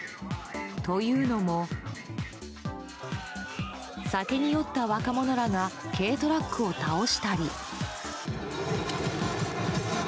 というのも酒に酔った若者らが軽トラックを倒したり。